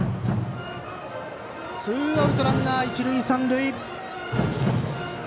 ツーアウト、ランナー、一塁三塁。